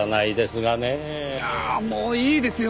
ああもういいですよ！